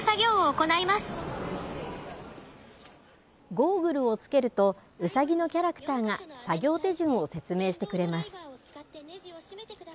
ゴーグルをつけると、ウサギのキャラクターが作業手順を説明してくれます。